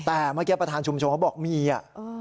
แต่เมื่อกี้ประธานชุมชนเขาบอกมีอ่ะ